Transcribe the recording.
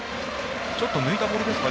ちょっと抜いたボールですか？